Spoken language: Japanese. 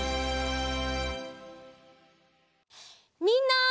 みんな！